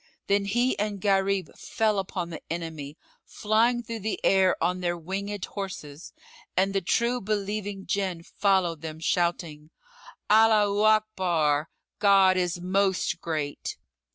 Then he and Gharib fell upon the enemy, flying through the air on their winged horses, and the true believing Jinn followed them, shouting "Allaho Akbar—God is Most Great!"